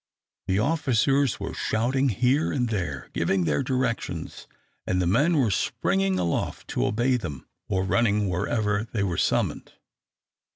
The officers were shouting here and there, giving their directions, and the men were springing aloft to obey them, or running wherever they were summoned.